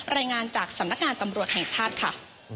รายงานจากสำนักงานตำรวจแห่งชาติค่ะ